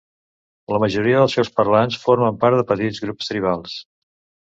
La majoria dels seus parlants forma part de petits grups tribals.